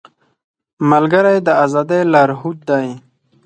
ملګری د ازادۍ لارښود دی